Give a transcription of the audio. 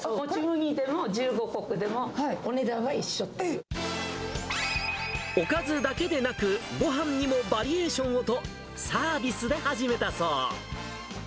麦でも十五穀でもお値段おかずだけでなく、ごはんにもバリエーションをと、サービスで始めたそう。